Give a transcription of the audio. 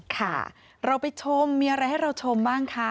ค่ะเราไปชมมีอะไรให้เราชมบ้างคะ